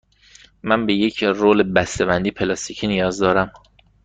من به یک رول بسته بندی پلاستیکی نیاز دارم.